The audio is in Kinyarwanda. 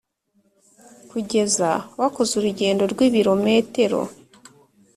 kugeza wakoze urugendo rw'ibirometero